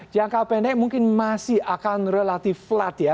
jangka pendek mungkin masih akan relatif flat ya